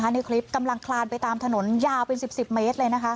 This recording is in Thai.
ในคลิปกำลังคลานไปตามถนนยาวเป็น๑๐เมตรเลย